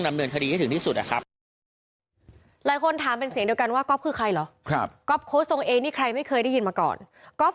ดำเนินคดีให้ถึงที่สุดนะครับ